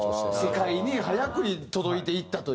世界に早くに届いていったという。